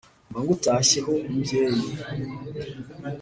mba ngutashye ho mbyeyi